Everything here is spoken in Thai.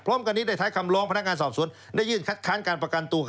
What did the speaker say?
พร้อมกันนี้ได้ท้ายคำร้องพนักงานสอบสวนได้ยื่นคัดค้านการประกันตัว